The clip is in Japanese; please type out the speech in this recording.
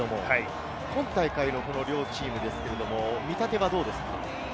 今大会、両チーム、見立てはどうですか？